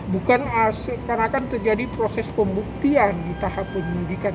bukan seakan akan terjadi proses pembuktian di tahap penyidikan